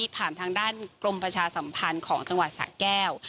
ทางด้านกรมประชาสัมพันธ์ของจังหวัดสะแก้ว